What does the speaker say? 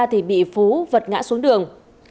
thì bị phú vật ngã xuống đường